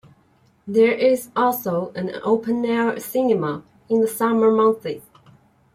There is also an open-air cinema in the summer months.